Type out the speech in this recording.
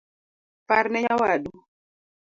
Parne nyawadu